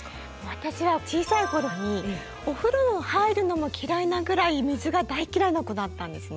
私は小さい頃にお風呂を入るのも嫌いなぐらい水が大嫌いな子だったんですね。